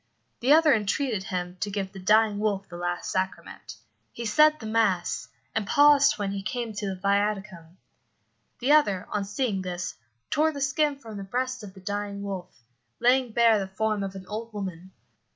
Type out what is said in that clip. The other entreated him to give the dying wolf the last sacrament. He said the mass, and paused when he came to the viaticum. The other, on seeing this, tore the skin from the breast of the dying wolf, laying bare the form of an old woman.